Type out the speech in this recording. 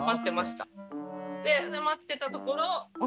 で待ってたところ保